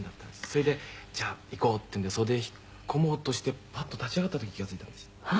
それでじゃあ行こうっていうので袖へ引っ込もうとしてパッと立ち上がった時に気が付いたんです」